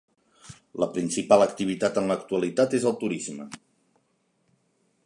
La principal activitat en l'actualitat és el turisme.